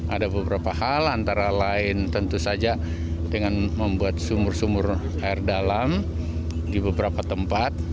ada beberapa hal antara lain tentu saja dengan membuat sumur sumur air dalam di beberapa tempat